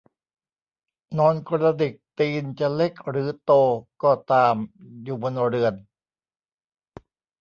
นอนกระดิกตีนจะเล็กหรือโตก็ตามอยู่บนเรือน